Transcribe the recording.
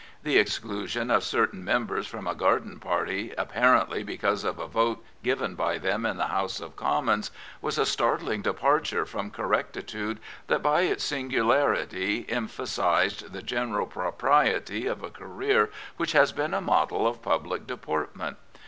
The ex clusion of certain members from a garden party apparently because of a vote given by them in the House of Commons was a startling departure from correctitude that by its singularity emphasised the general propriety of a career which has been a model of public deportment.